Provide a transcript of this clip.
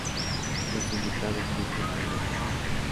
Los invitados visten con lujo.